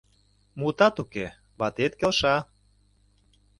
Мутат уке, ватет келша...